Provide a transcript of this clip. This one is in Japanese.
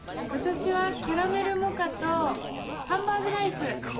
私はキャラメルモカとハンバーグライス。